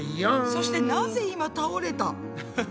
そしてなぜ今倒れた？